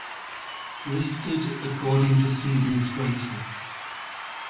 Listed according to seasons waited.